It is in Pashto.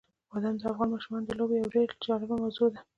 بادام د افغان ماشومانو د لوبو یوه جالبه موضوع ده.